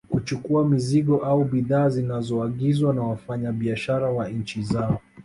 Kuchukua mizigo au bidhaa zinazoagizwa na wafanya biashara wa nchi zao